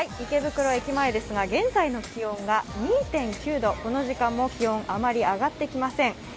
池袋駅前ですが現在の気温が２．９度この時間も気温、あまり上がってきません。